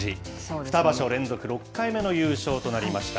２場所連続６回目の優勝となりました。